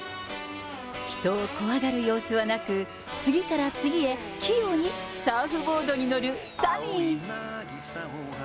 人を怖がる様子はなく、次から次へ、器用にサーフボードに乗るサミー。